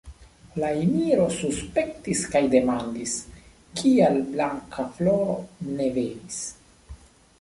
La emiro suspektis kaj demandis, kial Blankafloro ne venis.